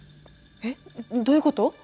えっ？どういうこと？